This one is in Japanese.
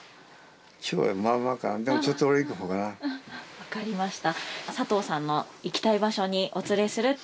分かりました。